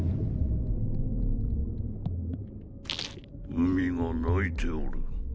海が泣いておる。